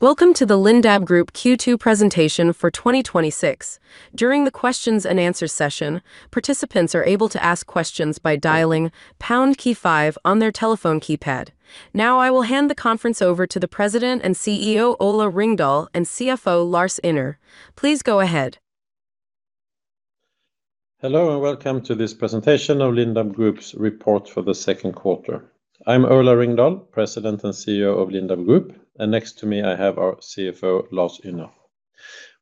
Welcome to the Lindab Group Q2 presentation for 2026. During the questions-and-answers session, participants are able to ask questions by dialing pound key five on their telephone keypad. I will hand the conference over to the President and CEO, Ola Ringdahl, and CFO, Lars Ynner. Please go ahead. Hello, welcome to this presentation of Lindab Group's report for the second quarter. I'm Ola Ringdahl, President and CEO of Lindab Group, and next to me I have our CFO, Lars Ynner.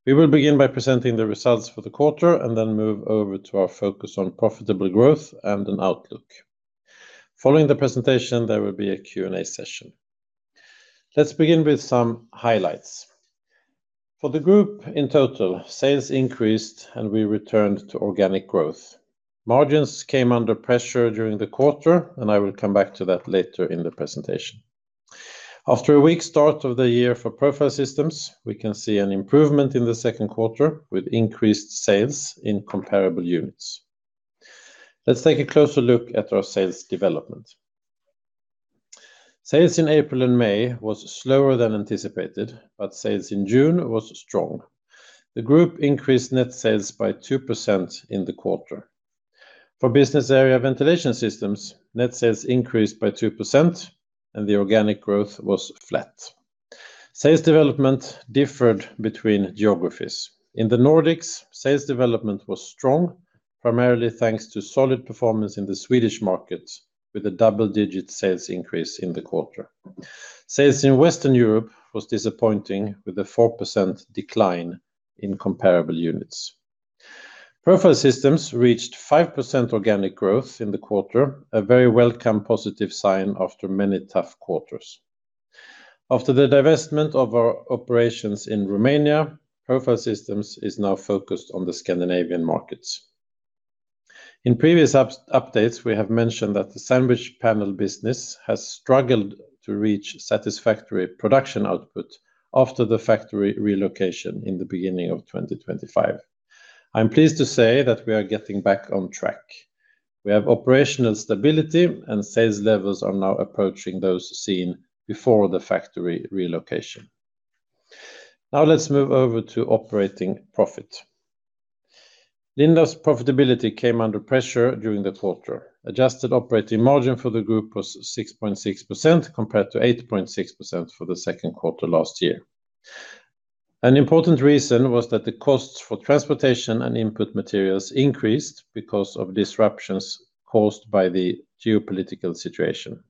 We will begin by presenting the results for the quarter, then move over to our focus on profitable growth and an outlook. Following the presentation, there will be a Q&A session. Let's begin with some highlights. For the group in total, sales increased and we returned to organic growth. Margins came under pressure during the quarter, and I will come back to that later in the presentation. After a weak start of the year for Profile Systems, we can see an improvement in the second quarter with increased sales in comparable units. Let's take a closer look at our sales development. Sales in April and May was slower than anticipated, sales in June was strong. The group increased net sales by 2% in the quarter. For business area Ventilation Systems, net sales increased by 2% and the organic growth was flat. Sales development differed between geographies. In the Nordics, sales development was strong, primarily thanks to solid performance in the Swedish market with a double-digit sales increase in the quarter. Sales in Western Europe was disappointing with a 4% decline in comparable units. Profile Systems reached 5% organic growth in the quarter, a very welcome positive sign after many tough quarters. After the divestment of our operations in Romania, Profile Systems is now focused on the Scandinavian markets. In previous updates, we have mentioned that the sandwich panel business has struggled to reach satisfactory production output after the factory relocation in the beginning of 2025. I'm pleased to say that we are getting back on track. We have operational stability and sales levels are now approaching those seen before the factory relocation. Let's move over to operating profit. Lindab's profitability came under pressure during the quarter. Adjusted operating margin for the group was 6.6% compared to 8.6% for the second quarter last year. An important reason was that the costs for transportation and input materials increased because of disruptions caused by the geopolitical situation.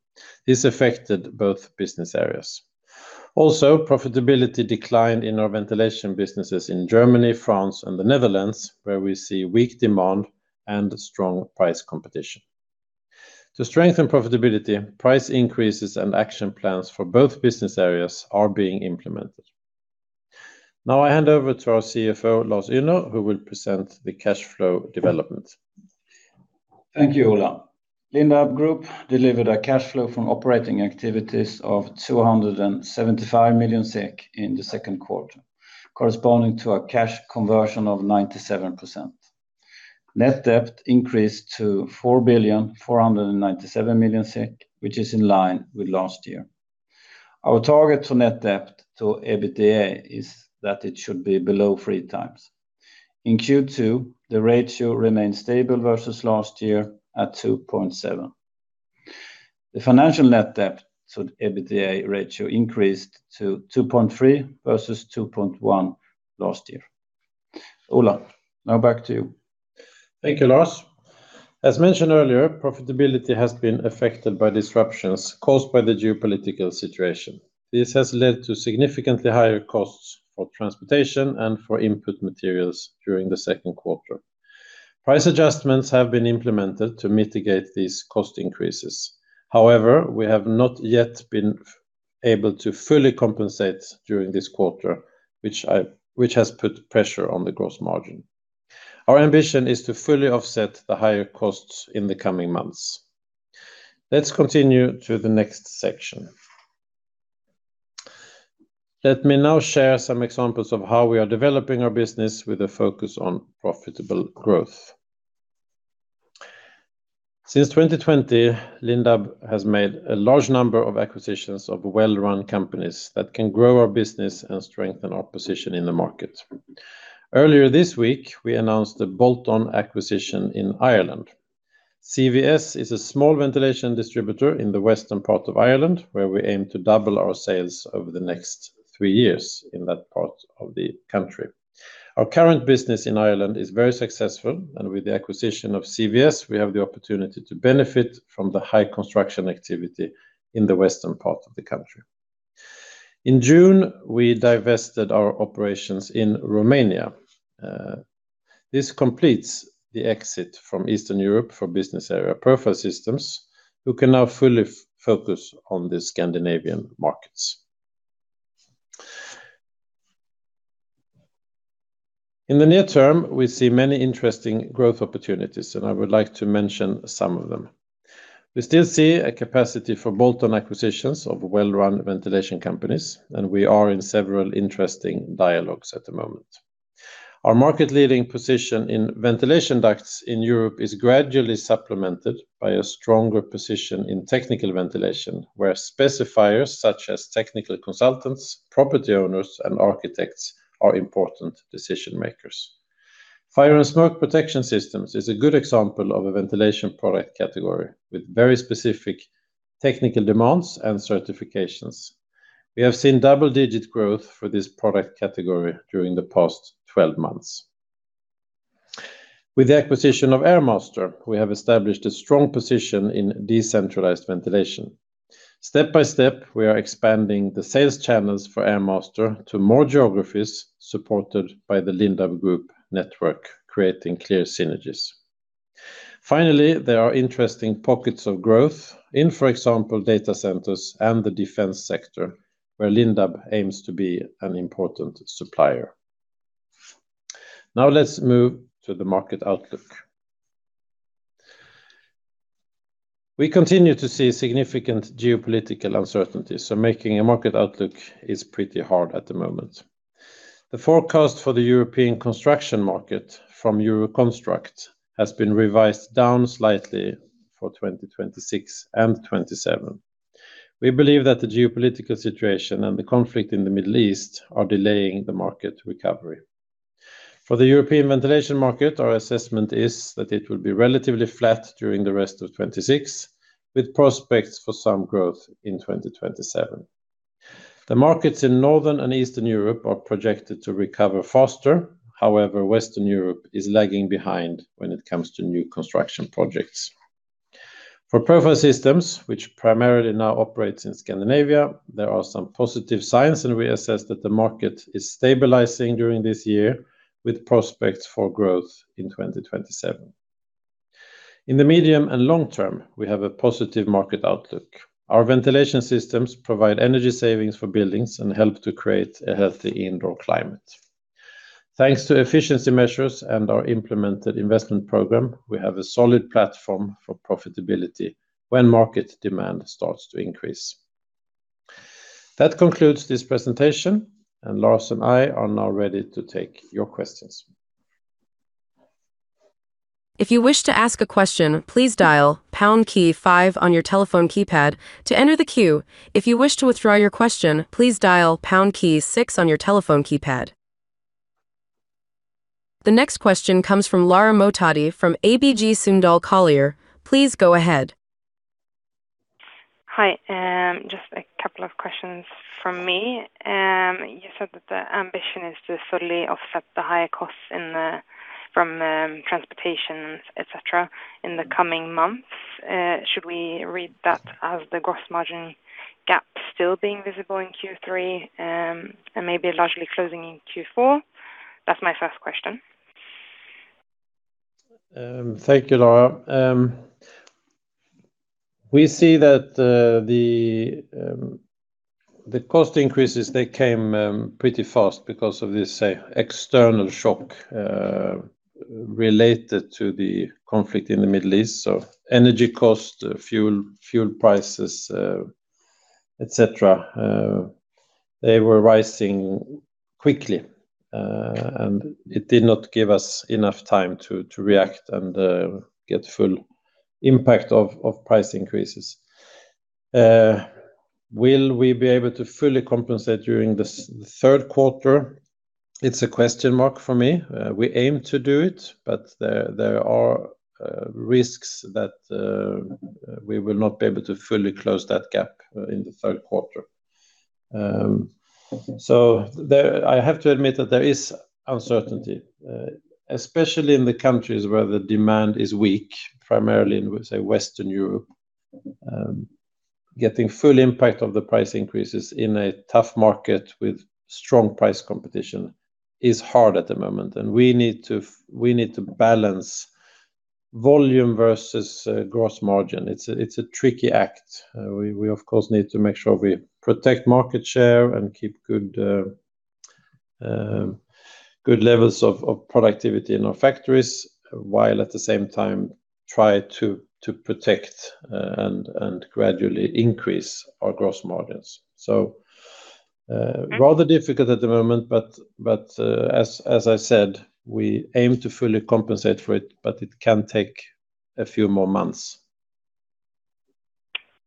This affected both business areas. Also, profitability declined in our ventilation businesses in Germany, France and the Netherlands, where we see weak demand and strong price competition. To strengthen profitability, price increases and action plans for both business areas are being implemented. I hand over to our CFO, Lars Ynner, who will present the cash flow development. Thank you, Ola. Lindab Group delivered a cash flow from operating activities of 275 million SEK in the second quarter, corresponding to a cash conversion of 97%. Net debt increased to 4,497,000,000 SEK, which is in line with last year. Our target for net debt to EBITDA is that it should be below three times. In Q2, the ratio remained stable versus last year at 2.7. The financial net debt to the EBITDA ratio increased to 2.3 versus 2.1 last year. Ola, now back to you. Thank you, Lars. As mentioned earlier, profitability has been affected by disruptions caused by the geopolitical situation. This has led to significantly higher costs for transportation and for input materials during the second quarter. Price adjustments have been implemented to mitigate these cost increases. However, we have not yet been able to fully compensate during this quarter, which has put pressure on the gross margin. Our ambition is to fully offset the higher costs in the coming months. Let's continue to the next section. Let me now share some examples of how we are developing our business with a focus on profitable growth. Since 2020, Lindab has made a large number of acquisitions of well-run companies that can grow our business and strengthen our position in the market. Earlier this week, we announced a bolt-on acquisition in Ireland. CVS is a small ventilation distributor in the western part of Ireland, where we aim to double our sales over the next three years in that part of the country. Our current business in Ireland is very successful, and with the acquisition of CVS, we have the opportunity to benefit from the high construction activity in the western part of the country. In June, we divested our operations in Romania. This completes the exit from Eastern Europe for business area Profile Systems, who can now fully focus on the Scandinavian markets. In the near term, we see many interesting growth opportunities, and I would like to mention some of them. We still see a capacity for bolt-on acquisitions of well-run ventilation companies, and we are in several interesting dialogues at the moment. Our market-leading position in ventilation ducts in Europe is gradually supplemented by a stronger position in technical ventilation, where specifiers such as technical consultants, property owners, and architects are important decision-makers. Fire and smoke protection systems is a good example of a ventilation product category with very specific technical demands and certifications. We have seen double-digit growth for this product category during the past 12 months. With the acquisition of Airmaster, we have established a strong position in decentralized ventilation. Step by step, we are expanding the sales channels for Airmaster to more geographies supported by the Lindab Group network, creating clear synergies. Finally, there are interesting pockets of growth in, for example, data centers and the defense sector, where Lindab aims to be an important supplier. Now let's move to the market outlook. We continue to see significant geopolitical uncertainty, so making a market outlook is pretty hard at the moment. The forecast for the European construction market from EUROCONSTRUCT has been revised down slightly for 2026 and 2027. We believe that the geopolitical situation and the conflict in the Middle East are delaying the market recovery. For the European ventilation market, our assessment is that it will be relatively flat during the rest of 2026, with prospects for some growth in 2027. The markets in Northern and Eastern Europe are projected to recover faster. However, Western Europe is lagging behind when it comes to new construction projects. For Profile Systems, which primarily now operates in Scandinavia, there are some positive signs, and we assess that the market is stabilizing during this year with prospects for growth in 2027. In the medium and long term, we have a positive market outlook. Our ventilation systems provide energy savings for buildings and help to create a healthy indoor climate. Thanks to efficiency measures and our implemented investment program, we have a solid platform for profitability when market demand starts to increase. That concludes this presentation, and Lars and I are now ready to take your questions. If you wish to ask a question, please dial pound key five on your telephone keypad to enter the queue. If you wish to withdraw your question, please dial pound key six on your telephone keypad. The next question comes from Lara Mohtadi from ABG Sundal Collier. Please go ahead. Hi. Just a couple of questions from me. You said that the ambition is to fully offset the higher costs from transportation, et cetera, in the coming months. Should we read that as the gross margin gap still being visible in Q3 and maybe largely closing in Q4? That's my first question. Thank you, Lara. We see that the cost increases came pretty fast because of this external shock related to the conflict in the Middle East. Energy cost, fuel prices, et cetera, they were rising quickly. It did not give us enough time to react and get full impact of price increases. Will we be able to fully compensate during the third quarter? It's a question mark for me. We aim to do it, but there are risks that we will not be able to fully close that gap in the third quarter. I have to admit that there is uncertainty, especially in the countries where the demand is weak, primarily in Western Europe. Getting full impact of the price increases in a tough market with strong price competition is hard at the moment, and we need to balance volume versus gross margin. It's a tricky act. We of course need to make sure we protect market share and keep good levels of productivity in our factories, while at the same time try to protect and gradually increase our gross margins. Rather difficult at the moment, but as I said, we aim to fully compensate for it, but it can take a few more months.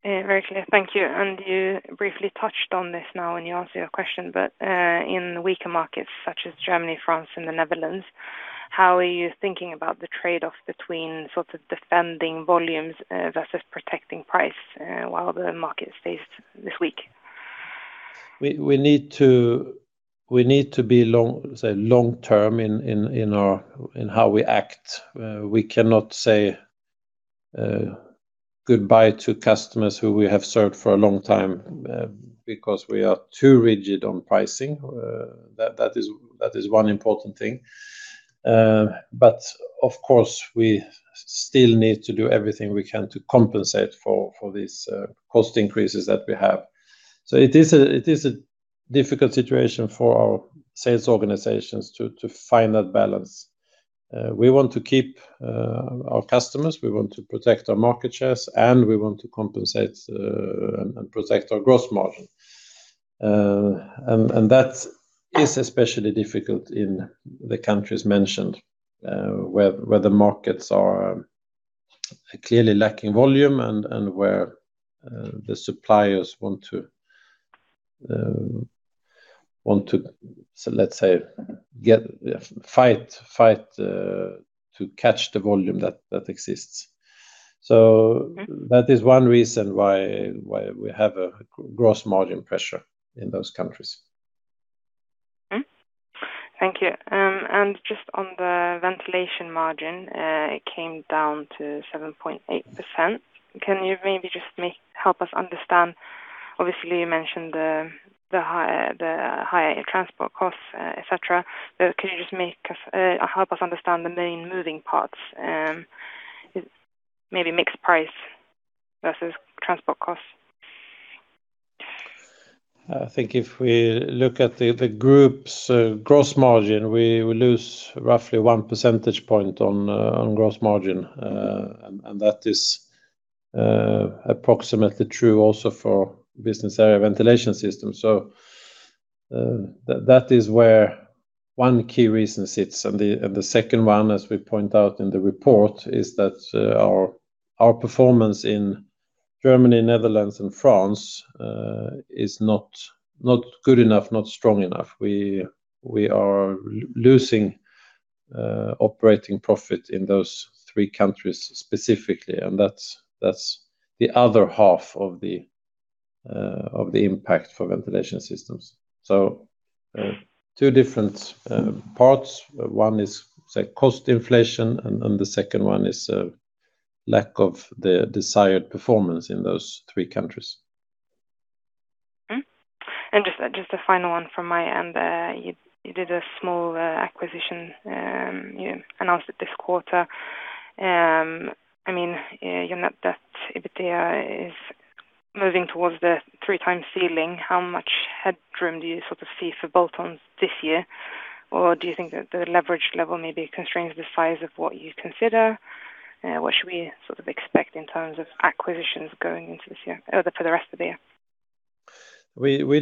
Very clear. Thank you. You briefly touched on this now when you answered your question, but in weaker markets such as Germany, France, and the Netherlands, how are you thinking about the trade-off between defending volumes versus protecting price while the market is faced this weak? We need to be long-term in how we act. We cannot say goodbye to customers who we have served for a long time because we are too rigid on pricing. That is one important thing. Of course, we still need to do everything we can to compensate for these cost increases that we have. It is a difficult situation for our sales organizations to find that balance. We want to keep our customers, we want to protect our market shares, and we want to compensate and protect our gross margin. That is especially difficult in the countries mentioned, where the markets are clearly lacking volume and where the suppliers want to, let's say, fight to catch the volume that exists. That is one reason why we have a gross margin pressure in those countries. Thank you. Just on the Ventilation Systems margin, it came down to 7.8%. Can you maybe just help us understand, obviously, you mentioned the higher transport costs, et cetera, but could you just help us understand the main moving parts? Maybe mixed price versus transport costs. I think if we look at the group's gross margin, we lose roughly one percentage point on gross margin. That is approximately true also for business area Ventilation Systems. That is where one key reason sits. The second one, as we point out in the report, is that our performance in Germany, Netherlands, and France is not good enough, not strong enough. We are losing operating profit in those three countries specifically. That's the other half of the impact for Ventilation Systems. Two different parts. One is cost inflation, and the second one is a lack of the desired performance in those three countries. Just a final one from my end. You did a small acquisition, you announced it this quarter. You're not that net debt to EBITDA is moving towards the three-time ceiling. How much headroom do you sort of see for bolt-ons this year? Or do you think that the leverage level maybe constrains the size of what you consider? What should we sort of expect in terms of acquisitions going into this year or for the rest of the year?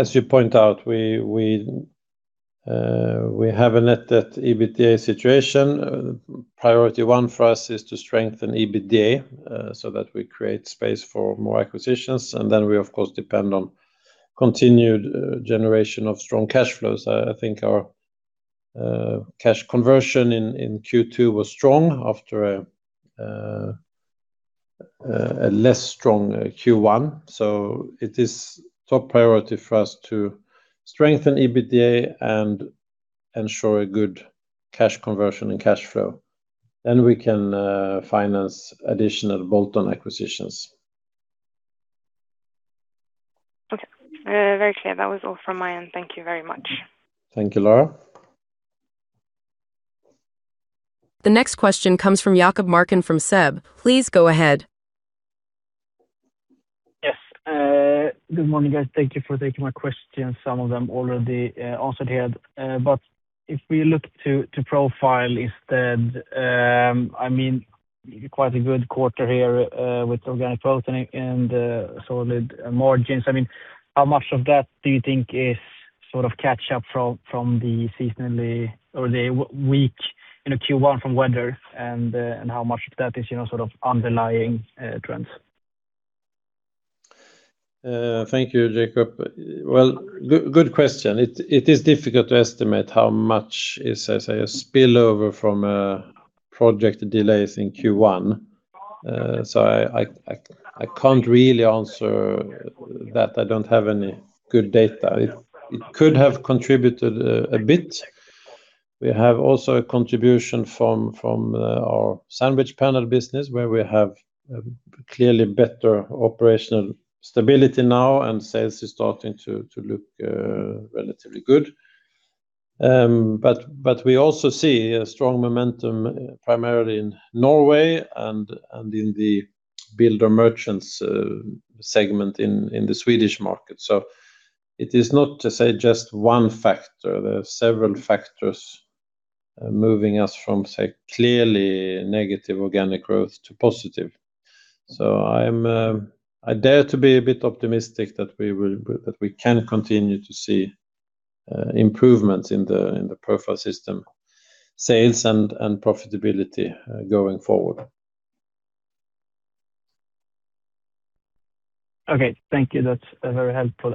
As you point out, we have a net debt to EBITDA situation. Priority one for us is to strengthen EBITDA, so that we create space for more acquisitions. We, of course, depend on continued generation of strong cash flows. I think our cash conversion in Q2 was strong after a less strong Q1. It is top priority for us to strengthen EBITDA and ensure a good cash conversion and cash flow. We can finance additional bolt-on acquisitions. Okay. Very clear. That was all from my end. Thank you very much. Thank you, Lara. The next question comes from Jakob Marken from SEB. Please go ahead. Yes. Good morning, guys. Thank you for taking my questions. Some of them already answered here. If we look to Profile instead, quite a good quarter here, with organic growth and solid margins. How much of that do you think is sort of catch up from the seasonally or the weak Q1 from weather and how much of that is underlying trends? Thank you, Jakob. Well, good question. It is difficult to estimate how much is, say, a spillover from project delays in Q1. I can't really answer that. I don't have any good data. It could have contributed a bit. We have also a contribution from our sandwich panel business, where we have a clearly better operational stability now, and sales is starting to look relatively good. We also see a strong momentum, primarily in Norway and in the builder merchants segment in the Swedish market. It is not to say just one factor. There are several factors moving us from, say, clearly negative organic growth to positive. I dare to be a bit optimistic that we can continue to see improvements in the Profile Systems sales and profitability going forward. Okay. Thank you. That's very helpful.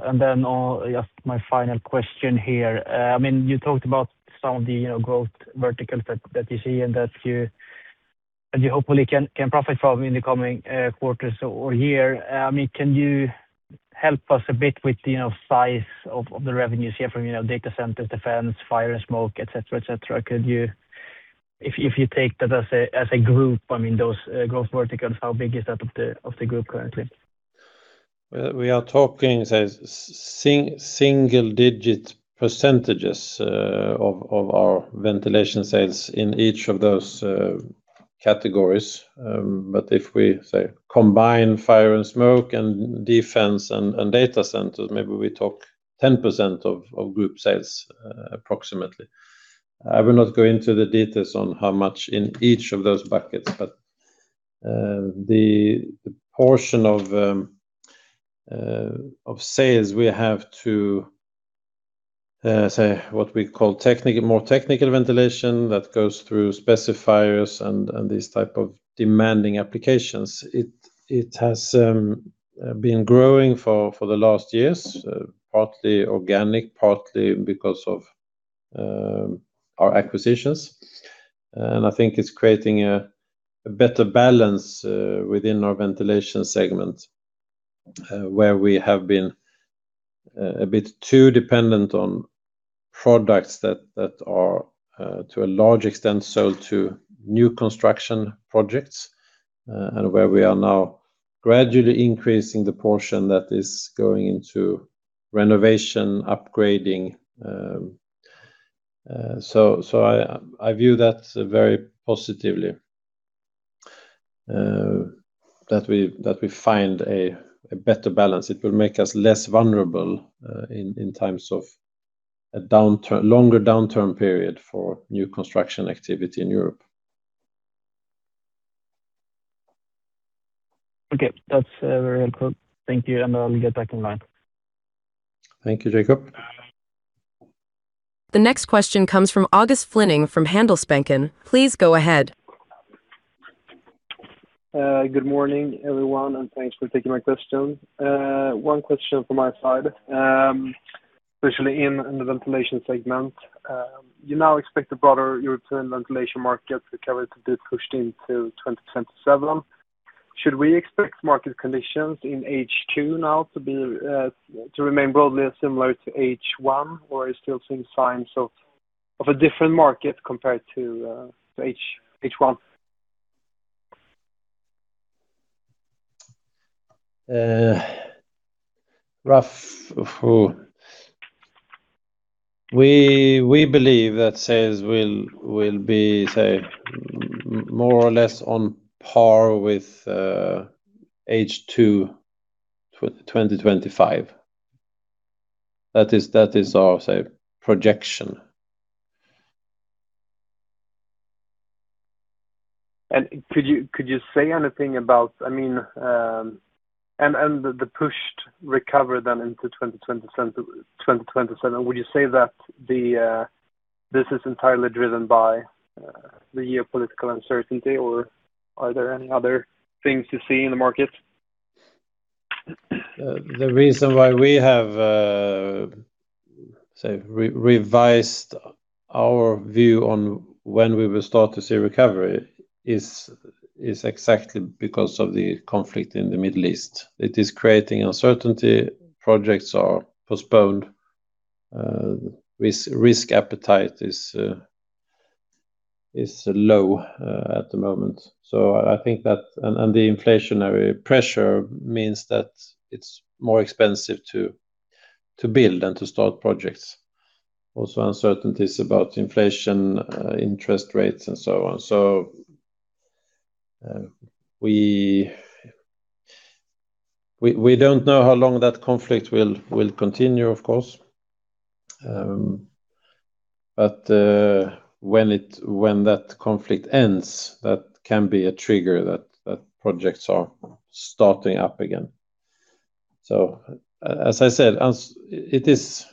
Just my final question here. You talked about some of the growth verticals that you see and that you hopefully can profit from in the coming quarters or year. Can you help us a bit with the size of the revenues here from data centers, defense, fire and smoke, et cetera? If you take that as a group, those growth verticals, how big is that of the group currently? We are talking single-digit percentages of our ventilation sales in each of those categories. If we combine fire and smoke and defense and data centers, maybe we talk 10% of group sales approximately. I will not go into the details on how much in each of those buckets, but the portion of sales we have to say what we call more technical ventilation that goes through specifiers and these type of demanding applications. It has been growing for the last years, partly organic, partly because of our acquisitions. I think it's creating a better balance within our Ventilation segment, where we have been a bit too dependent on products that are to a large extent sold to new construction projects and where we are now gradually increasing the portion that is going into renovation, upgrading. I view that very positively, that we find a better balance. It will make us less vulnerable in times of a longer downturn period for new construction activity in Europe. Okay. That's very helpful. Thank you. I'll get back in line. Thank you, Jakob. The next question comes from August Flyning from Handelsbanken. Please go ahead. Good morning, everyone. Thanks for taking my question. One question from my side, especially in the Ventilation segment. You now expect the broader European ventilation market recovery to be pushed into 2027. Should we expect market conditions in H2 now to remain broadly similar to H1, or are you still seeing signs of a different market compared to H1? We believe that sales will be more or less on par with H2 2025. That is our projection. Could you say anything about the pushed recovery then into 2027? Would you say that this is entirely driven by the geopolitical uncertainty, or are there any other things you see in the market? The reason why we have revised our view on when we will start to see recovery is exactly because of the conflict in the Middle East. It is creating uncertainty. Projects are postponed. Risk appetite is low at the moment. The inflationary pressure means that it's more expensive to build and to start projects. Also, uncertainties about inflation, interest rates, and so on. We don't know how long that conflict will continue, of course. When that conflict ends, that can be a trigger that projects are starting up again. As I said, it is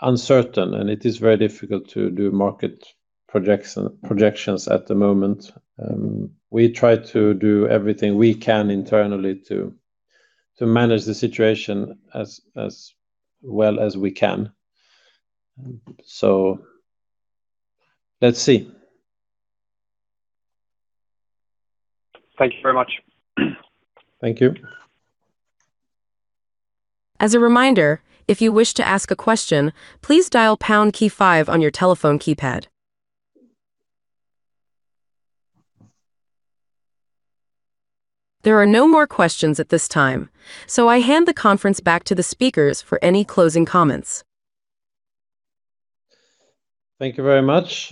uncertain, and it is very difficult to do market projections at the moment. We try to do everything we can internally to manage the situation as well as we can. Let's see. Thank you very much. Thank you. As a reminder, if you wish to ask a question, please dial pound key five on your telephone keypad. There are no more questions at this time. I hand the conference back to the speakers for any closing comments. Thank you very much.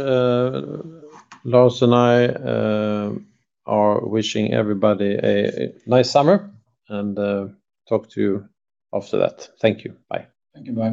Lars and I are wishing everybody a nice summer and talk to you after that. Thank you. Bye. Thank you. Bye.